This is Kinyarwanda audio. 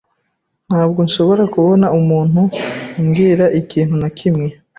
Ntabwo nshobora kubona umuntu umbwira ikintu na kimwe.